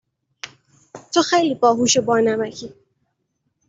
تو خیلی باهوش و بانمکی